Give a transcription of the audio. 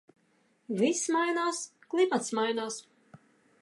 Viss mainās... Klimats mainās.